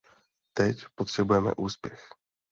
Teď potřebujeme úspěch.